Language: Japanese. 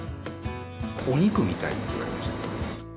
お肉みたいと言われました。